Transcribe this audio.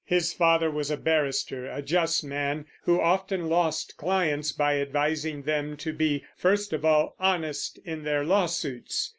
His father was a barrister, a just man, who often lost clients by advising them to be, first of all, honest in their lawsuits.